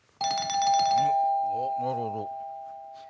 なるほど。